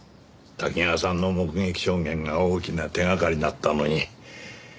多岐川さんの目撃証言が大きな手掛かりだったのに。